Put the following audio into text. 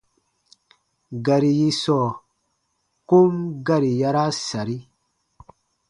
Gari yi sɔɔ kom gari yaraa sari.